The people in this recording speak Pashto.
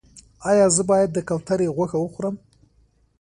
ایا زه باید د کوترې غوښه وخورم؟